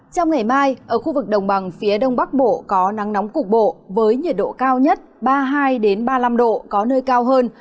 trong ngày mai ở khu vực đồng bằng phía đông bắc bộ có nắng nóng cục bộ với nhiệt độ cao nhất ba mươi hai ba mươi năm độ có nơi cao hơn